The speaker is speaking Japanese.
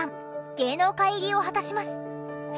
芸能界入りを果たします。